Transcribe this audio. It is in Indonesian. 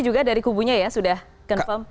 juga dari kubunya ya sudah confirm